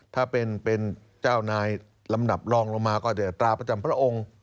ถ้าเป็นเจ้านายลำดับรองลงมาก็จะอัตราประจำพระองค์